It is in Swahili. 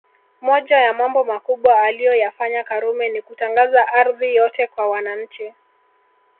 Moja ya Mambo makubwa aliyoyafanya Karume Ni kutangaza ardhi yote kwa wananchi